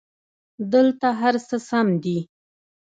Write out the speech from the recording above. دلته هرڅه سم دي